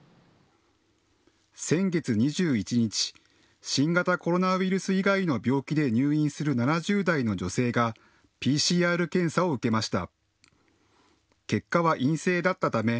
先月２１日、新型コロナウイルス以外の病気で入院する７０代の女性がＰＣＲ検査を受けました。